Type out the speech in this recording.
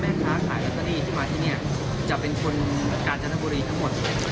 จะเป็นคนกาญจนบุรีทั้งหมด